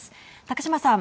高島さん。